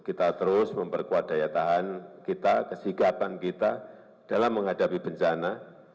kita terus memperkuat daya tahan kita kesigapan kita dalam menghadapi bencana